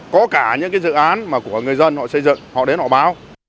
có cả những dự án của người dân họ xây dựng họ đến họ báo